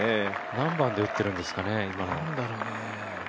何番で打ってるんですかね、今の。